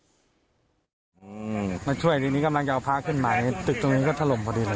มาช่วยทีนี้กำลังจะเอาพระขึ้นมาในตึกตรงนี้ก็ถล่มพอดีเลย